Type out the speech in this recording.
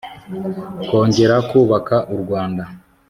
kongera kubaka u rwanda